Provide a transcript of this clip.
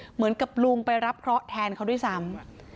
เหมือนกับลุงไปรับเคราะห์แทนเขาด้วยซ้ำ